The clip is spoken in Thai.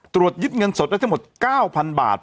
ตรวจยึดเงินสดได้ทั้งหมด๙๐๐บาท